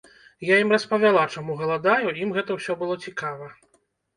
Я ім распавяла, чаму галадаю, ім гэта ўсё было цікава.